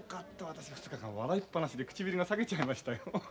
私２日間笑いっぱなしで唇が裂けちゃいましたよ。